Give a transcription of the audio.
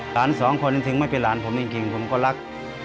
หลานสองคนจริงถึงไม่เป็นหลานผมจริงผมก็รัก